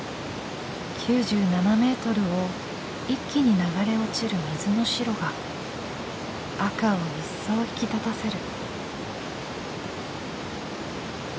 ９７メートルを一気に流れ落ちる水の白が赤を一層引き立たせる。